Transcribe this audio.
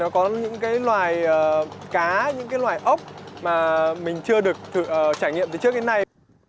cá những loài ốc mà mình chưa được trải nghiệm từ trước đến nay